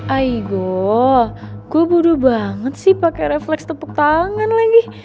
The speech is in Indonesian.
aigo gue buru banget sih pakai refleks tepuk tangan lagi